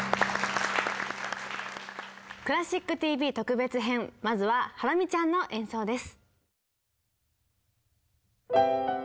「クラシックＴＶ」特別編まずはハラミちゃんの演奏です。